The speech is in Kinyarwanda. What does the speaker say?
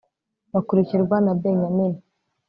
bakurikirwa na benyamini